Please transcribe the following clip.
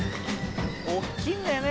大っきいんだよね